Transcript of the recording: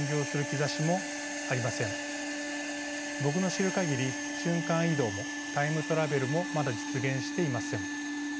僕の知る限り瞬間移動もタイムトラベルもまだ実現していません。